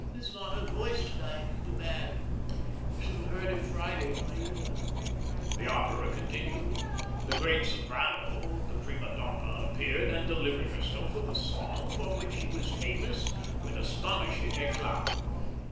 "He's not in voice to night. Too bad. You should have heard him Friday in 'Aida.'" The opera continued. The great soprano, the prima donna, appeared and delivered herself of a song for which she was famous with astonishing eclat.